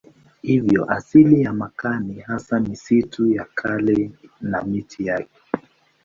Hivyo asili ya makaa ni hasa misitu ya kale na miti yake.